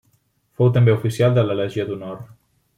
Fou també Oficial de la Legió d'Honor.